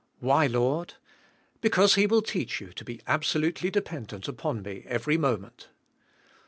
Why, Lord? Because he will teach you to be absolutely depend ent upon Me every moment.